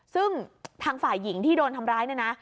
ซึ่งทางฝ่ายหญิงที่โดนทำร้ายเนี่ยนะ